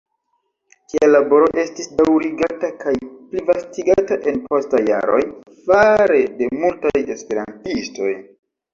Tia laboro estis daŭrigata kaj plivastigata en postaj jaroj, fare de multaj esperantistoj.